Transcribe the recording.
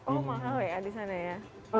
oh mahal ya di sana ya